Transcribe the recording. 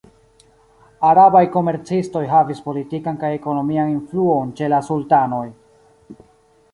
Arabaj komercistoj havis politikan kaj ekonomian influon ĉe la sultanoj.